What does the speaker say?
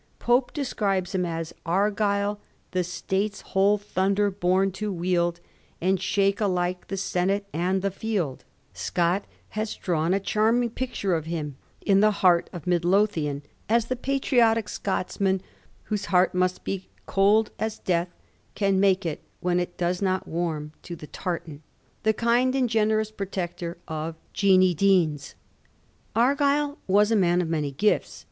Pope describes him as Argyll, the State's whole thonder bom to wield ; And shake alike the senate and the field. Scott has drawn a charming picture of him in the ^ Heart of Mid Lothian ' as the patriotic Scotchman, Digiti zed by Google 58 A HISTORY OF THE FOUR GEORGES. ch. m. whose heart must ^be cold as death can make it when it does not warm to the tartan '— ^the kind and generous protector of Jeanie Deans. Argyll was a man of many gifts.